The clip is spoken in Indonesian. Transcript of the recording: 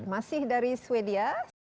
masih dari sweden